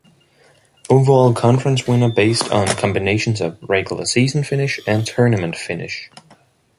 Overall conference winner based on combination of regular-season finish and tournament finish.